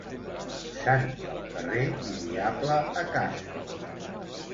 Sant pel carrer i diable a casa.